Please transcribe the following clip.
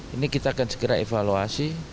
ini kita akan segera evaluasi